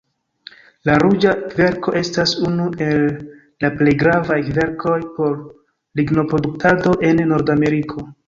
La ruĝa kverko estas unu el la plej gravaj kverkoj por lignoproduktado en Nordameriko.